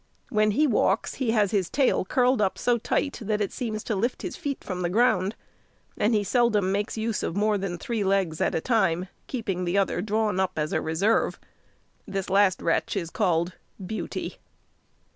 When he walks, he has his tail curled up so tight that it seems to lift his feet from the ground; and he seldom makes use of more than three legs at a time, keeping the other drawn up as a reserve. This last wretch is called Beauty.